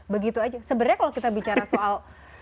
begitu aja sebenarnya kalau kita bicara soal